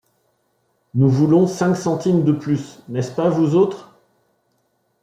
Nous voulons cinq centimes de plus, n’est-ce pas, vous autres ?